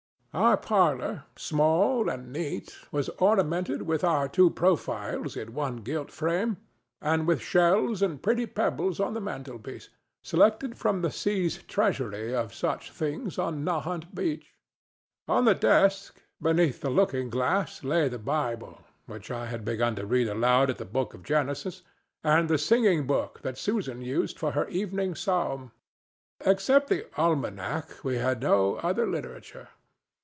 Our parlor, small and neat, was ornamented with our two profiles in one gilt frame, and with shells and pretty pebbles on the mantelpiece, selected from the sea's treasury of such things on Nahant Beach. On the desk, beneath the looking glass, lay the Bible, which I had begun to read aloud at the book of Genesis, and the singing book that Susan used for her evening psalm. Except the almanac, we had no other literature.